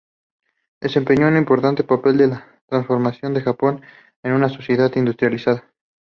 Desempeñó un importante papel en la transformación de Japón en una sociedad industrializada.